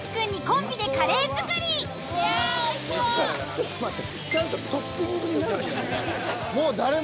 ちょっと待って。